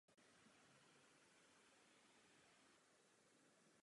Rozšířil se i v civilním sektoru.